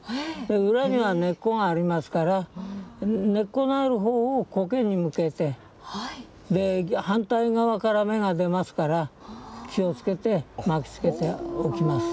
裏には根っこがありますから、根っこのあるほうをコケに向けて、反対側から芽が出ますから、気をつけて巻きつけておきます。